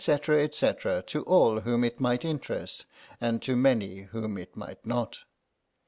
etc., to all whom it might interest and to many whom it might not.